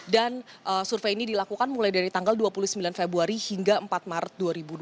dan survei ini dilakukan mulai dari tanggal dua puluh sembilan februari hingga empat maret dua ribu dua puluh empat